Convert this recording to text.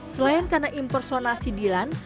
selain karena impersonasi dilan